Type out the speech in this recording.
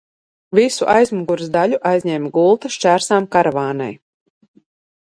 Visu aizmugures daļu aizņēma gulta, šķērsām karavānei.